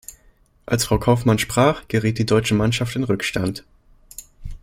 Als Frau Kaufmann sprach, geriet die deutsche Mannschaft in Rückstand.